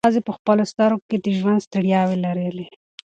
ښځې په خپلو سترګو کې د ژوند ستړیاوې لرلې.